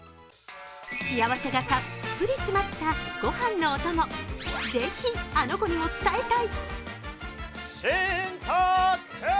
幸せがたっぷり詰まったご飯のおともぜひあの子にも伝えたい。